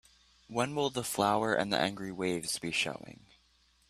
When will The Flower and the Angry Waves be showing?